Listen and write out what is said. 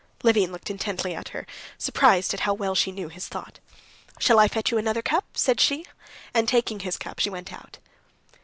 Levin looked intently at her, surprised at how well she knew his thought. "Shall I fetch you another cup?" said she, and taking his cup she went out.